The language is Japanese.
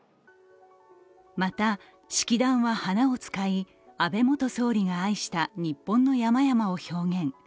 また、式壇は花を使い、安倍元総理が愛した日本の山々を表現。